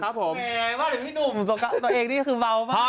แหมว่าเดี๋ยวพี่หนุ่มตัวเองนี่คือเบามาก